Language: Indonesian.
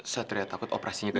satria takut operasinya kecil